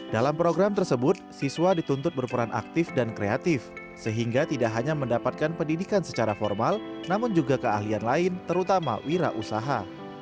dalam program tersebut siswa dituntut berperan aktif dan kreatif sehingga tidak hanya mendapatkan pendidikan secara formal namun juga keahlian lain terutama wira usaha